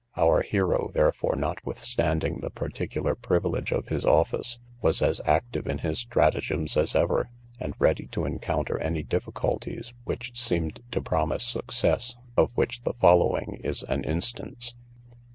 Our hero, therefore, notwithstanding the particular privilege of his office, was as active in his stratagems as ever, and ready to encounter any difficulties which seemed to promise success, of which the following is an instance.